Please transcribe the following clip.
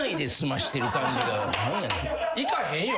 行かへんよ。